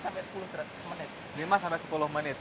lima sampai sepuluh menit